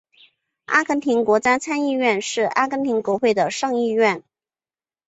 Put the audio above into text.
阿根廷国家参议院是阿根廷国会的上议院。